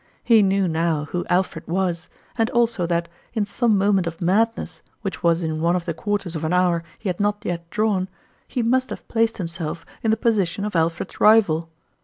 He knew now who Alfred was, and also that, in some moment of madness which was in one of the quarters of an hour he had not yet drawn, he must have placed himself in the position of Alfred's rival.